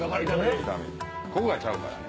ここがちゃうからね。